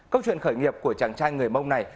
câu chuyện khởi nghiệp của chàng trai người mông này